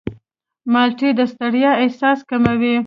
مالټې د ستړیا احساس کموي.